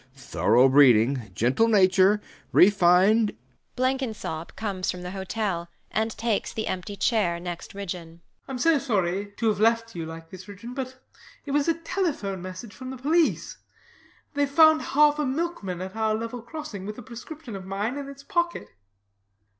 Thorough breeding! Gentle nature! Refined Blenkinsop comes from the hotel and takes the empty chair next Ridgeon. BLENKINSOP. I'm so sorry to have left you like this, Ridgeon; but it was a telephone message from the police. Theyve found half a milkman at our level crossing with a prescription of mine in its pocket.